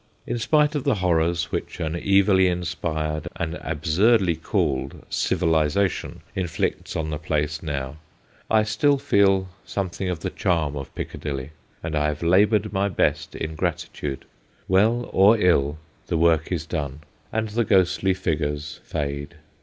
In spite of the horrors which an evilly inspired and absurdly called civilisation inflicts on the place now, I still feel some thing of the charm of Piccadilly, and I have laboured my best in gratitude. Well or ill, THE END 277 the work is done, and the ghostly figures fade.